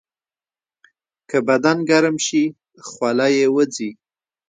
که بدن ګرم شي، خوله یې وځي.